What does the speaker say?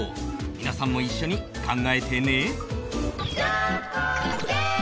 皆さんも一緒に考えてね